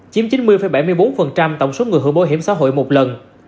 chiếm chín mươi bảy mươi bốn tổng số người hưởng bảo hiểm xã hội một lần